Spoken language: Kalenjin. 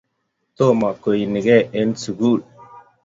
Tomo koenige eng sugul